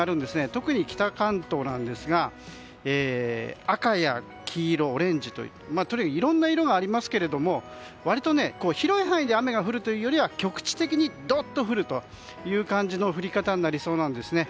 特に北関東なんですが赤や黄色、オレンジといういろんな色がありますけれど割と広い範囲で雨が降るというよりは局地的にどっと降るという感じの降り方になりそうなんです。